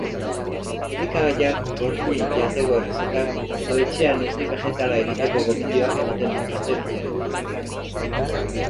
Elikagaiak gordinik jateko errezetak edo etxean esne begetala egiteko gomendioak ematen dituzte bileretan.